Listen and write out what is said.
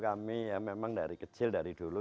kami ya memang dari kecil dari dulu